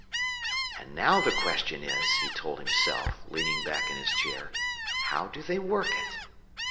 "And now the question is," he told himself, leaning back in his chair, "how do they work it?"